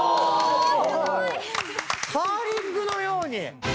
カーリングのように。